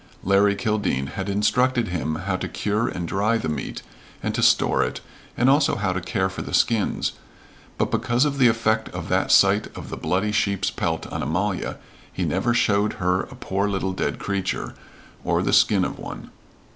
Larry Kildene had instructed him how to cure and dry the meat and to store it and also how to care for the skins, but because of the effect of that sight of the bloody sheep's pelt on Amalia, he never showed her a poor little dead creature, or the skin of one.